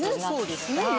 そうですね